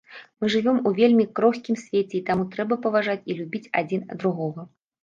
Мы жывём у вельмі крохкім свеце, і таму трэба паважаць і любіць адзін другога.